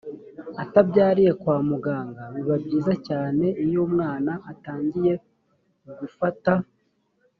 atabyariye kwa muganga biba byiza cyane iyo umwana atangiye gufata